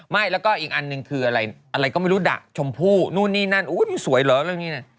ไม่แล้วก็อีกอันหนึ่งคืออะไรอะไรก็ไม่รู้ดะชมพู่นู่นนี่นั่นอุ๊ยมันสวยเหรอเรื่องนี้นะ